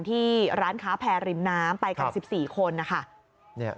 ที่ร้านค้าแพร่ริมน้ำไปกัน๑๔คนนะคะ